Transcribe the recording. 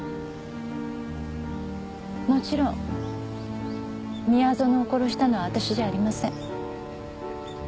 もちろん宮園を殺したのは私じゃありません。